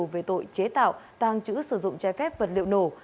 về tội chế tạo tàng trữ sử dụng trái phép vật liệu nổ